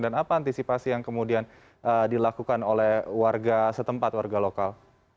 dan apa antisipasi yang kemudian dilakukan oleh warga setempat warga lokal